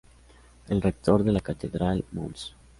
El rector de la catedral, Mons.